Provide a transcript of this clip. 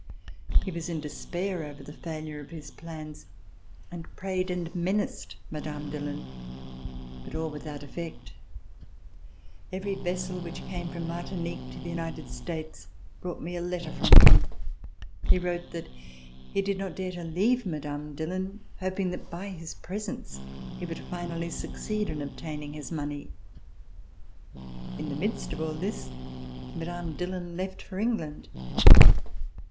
He was in despair over the failure of his plans and prayed and menaced Mme. Dillon, but all without effect. Every vessel which came from Martinique to the United States brought me a letter from him. He wrote that he did not dare to leave Mme. Dillon, hoping that by his presence he would finally succeed in obtaining his money. In the midst of all this, Mme. Dillon left for England.